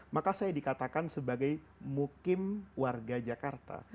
maka saya dikatakan sebagai mukim warga jakarta